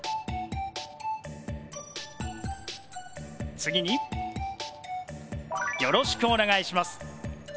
次によろしくお願いします。